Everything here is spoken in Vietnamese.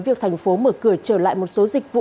việc thành phố mở cửa trở lại một số dịch vụ